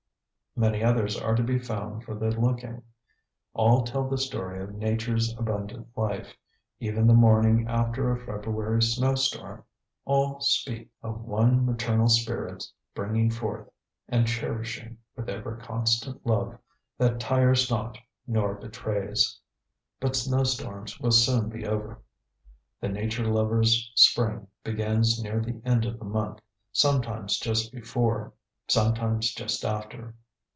Many others are to be found for the looking. All tell the story of Nature's abundant life, even the morning after a February snow storm. All speak "Of one maternal spirit bringing forth And cherishing with ever constant love, That tires not, nor betrays." But snowstorms will soon be over. The nature lover's spring begins near the end of the month, sometimes just before, sometimes just after.